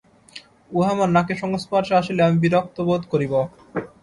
উহা আমার নাকের সংস্পর্শে আসিলে আমি বিরক্তবোধ করিব।